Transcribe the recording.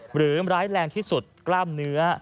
หรือร้ายแรงที่สุดกล้ามเนื้อ